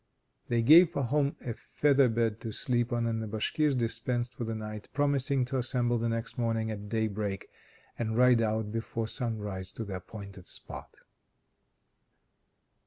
They gave Pahom a feather bed to sleep on, and the Bashkirs dispersed for the night, promising to assemble the next morning at daybreak and ride out before sunrise to the appointed spot.